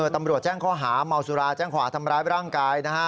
ตำรวจแจ้งข้อหาเมาสุราแจ้งขวาทำร้ายร่างกายนะฮะ